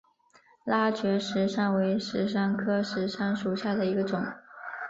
拉觉石杉为石杉科石杉属下的一个种。